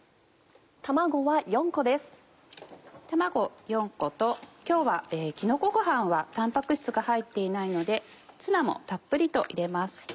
卵４個と今日はきのこごはんはたんぱく質が入っていないのでツナもたっぷりと入れます。